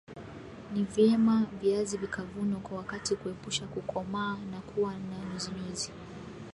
Ni vyema viazi vikavunwa kwa wakati kuepusha kukomaa na kuwa na nyuzinyuzi